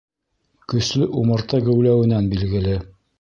Көслө умарта геүләүенән билгеле.